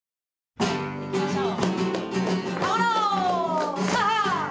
いきましょう。